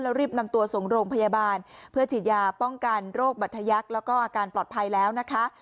แล้วรีบนำตัวส่งโรงพยาบาลเพื่อฉีดยาป้องกันโรคบัตรทยักษ์แล้วก็อาการปลอดภัยแล้วนะคะ